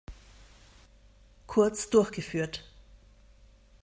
Kurz durchgeführt.